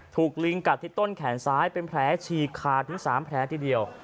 ลิงกัดที่ต้นแขนซ้ายเป็นแผลฉีกขาดถึง๓แผลทีเดียว